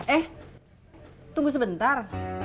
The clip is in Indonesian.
eh tunggu sebentar